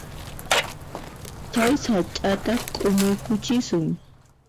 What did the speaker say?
Chay sach'ata k'umuykuchisun.